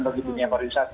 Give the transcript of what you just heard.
bagi dunia korisata